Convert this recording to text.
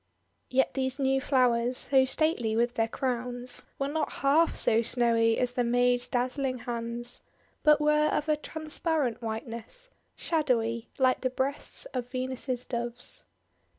Yet these new flowers, so stately with their crowns, were not half so snowy as the maid's dazzling hands, but were of ^a transparent white ness, — shadowy, like the breasts of Venus' Doves.